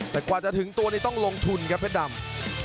แต่กว่าจะถึงตัวนี้ต้องลงทุนครับเพชรดำ